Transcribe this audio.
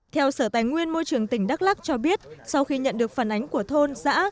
theo sở tài nguyên môi trường tỉnh đắk lắc cho biết sau khi nhận được phản ánh của thôn xã